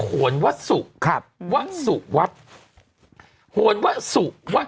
โหนวัดสุขวัดโหนวัดสุขวัด